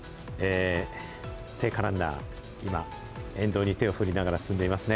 聖火ランナー、今、沿道に手を振りながら進んでいますね。